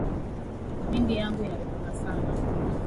Mindi yangu ina refuka sana